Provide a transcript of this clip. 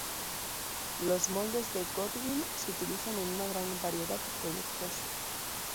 Los moldes de Goodwin se utilizan en una gran variedad de proyectos.